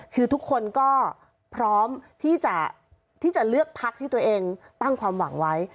คือทุกคนก็พร้อมที่จะเลือกพักที่ตัวเองตั้งความหวังไว้